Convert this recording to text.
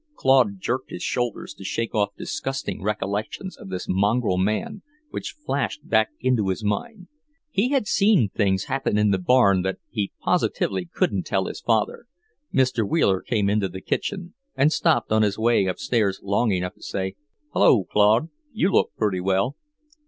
Claude jerked his shoulders to shake off disgusting recollections of this mongrel man which flashed back into his mind. He had seen things happen in the barn that he positively couldn't tell his father. Mr. Wheeler came into the kitchen and stopped on his way upstairs long enough to say, "Hello, Claude. You look pretty well."